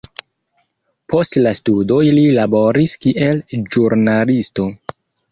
Post la studoj li laboris kiel ĵurnalisto.